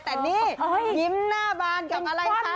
แต่นี่ยิ้มหน้าบานกับอะไรคะ